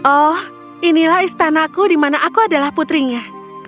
oh inilah istanaku di mana aku adalah putrinya